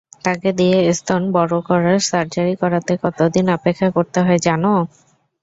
তাকে দিয়ে স্তন বড় করার সার্জারি করাতে কত দিন অপেক্ষা করতে হয় জানো?